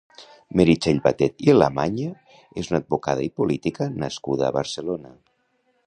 Meritxell Batet i Lamaña és una advocada i política nascuda a Barcelona.